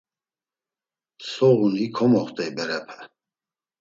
Soğuni komoxt̆ey berepe.